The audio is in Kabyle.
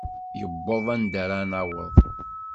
Iwweḍ anda ara naweḍ.